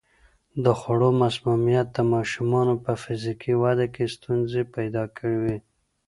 د خوړو مسمومیت د ماشومانو په فزیکي وده کې ستونزې پیدا کوي.